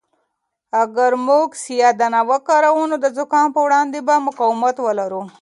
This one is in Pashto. اگر موږ سیاه دانه وکاروو نو د زکام په وړاندې به مقاومت ولرو.